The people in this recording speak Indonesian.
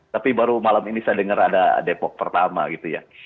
tapi baru malam ini saya dengar ada depok pertama gitu ya